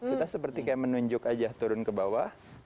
kita seperti kayak menunjuk aja turun ke bawah